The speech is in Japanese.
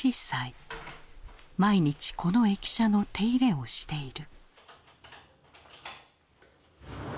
毎日この駅舎の手入れをしている。